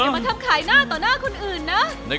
มาทำขายหน้าต่อหน้าคนอื่นนะ